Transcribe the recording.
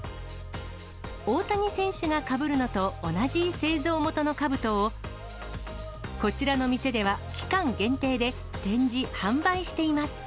大谷選手がかぶるのと同じ製造元のかぶとを、こちらの店では期間限定で展示・販売しています。